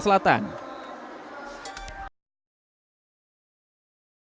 jangan lupa like comment dan share video ini